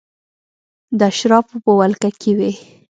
د اشرافو په ولکه کې وې.